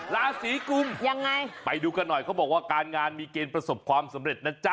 ราศีกุมยังไงไปดูกันหน่อยเขาบอกว่าการงานมีเกณฑ์ประสบความสำเร็จนะจ๊ะ